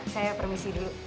saya permisi dulu